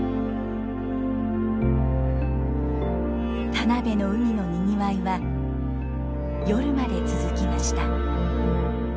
田辺の海のにぎわいは夜まで続きました。